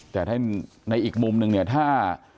แต่ท่านในอีกมุมนึงเนี่ยถ้า